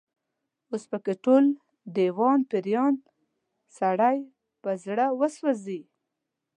اوس په کې ټول، دېوان پيریان، سړی په زړه وسوځي